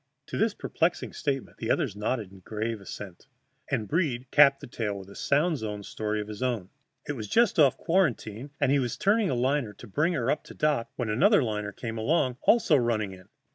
To this perplexing statement the others nodded grave assent, and Breed capped the tale with a sound zone story of his own. It was just off quarantine, and he was turning a liner to bring her up to dock when another liner came along, also running in.